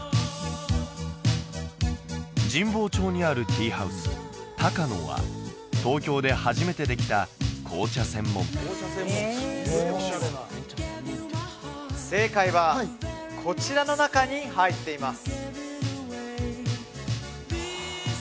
神保町にあるティーハウスタカノは東京で初めてできた紅茶専門店正解はこちらの中に入っています